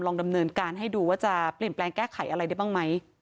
ดำเนินการให้ดูว่าจะเปลี่ยนแปลงแก้ไขอะไรได้บ้างไหม